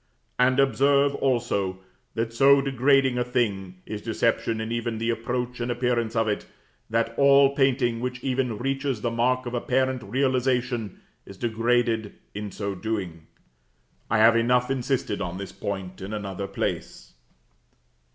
And observe, also, that so degrading a thing is deception in even the approach and appearance of it, that all painting which even reaches the mark of apparent realization, is degraded in so doing. I have enough insisted on this point in another place.